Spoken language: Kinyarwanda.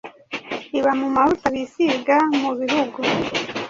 iba mu mavuta bisiga mu bihugu,